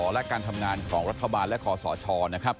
และการทำงานของรัฐบาลและคอสชนะครับ